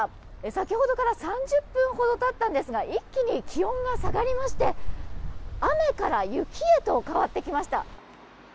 先ほどから３０分ほど経ったんですが一気に気温が下がりまして雨から雪へと変わってきました。